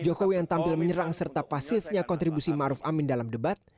jokowi yang tampil menyerang serta pasifnya kontribusi maruf amin dalam debat